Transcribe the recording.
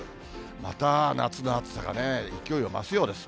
また、夏の暑さがね、勢いを増すようです。